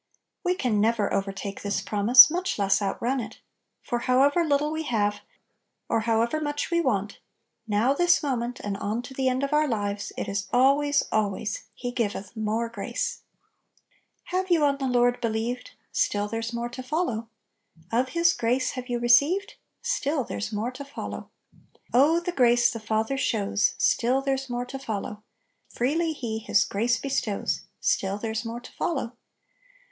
We can never overtake this promise, much less outrun it; for however little we have, or however much we want, now this moment, and on to the end 76 Little Pillows. of our lives, it is always, always, " He ' giveth more grace !" ''Have yon on the Lord believed? Still there's more to follow; Of His grace have yon received? Still there's more to follow. Oh the grace the Father shows ! Still there's more to follow; Freely He His grace bestows, Still there's more to follow.